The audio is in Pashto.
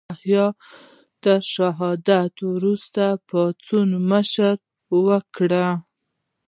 یحیی تر شهادت وروسته یې پاڅون مشري وکړه.